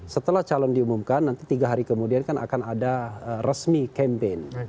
setelah calon diumumkan nanti tiga hari kemudian kan akan ada resmi campaign